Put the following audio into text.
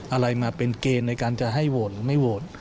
อะไรมาเป็นเกณฑ์ในการจะให้โหวตหรือไม่โหวต